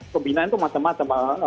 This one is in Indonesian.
pembinaan itu macam macam